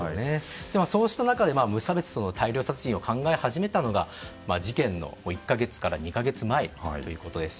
そうした中で無差別の大量殺人を考え始めたのが事件の１か月から２か月前ということです。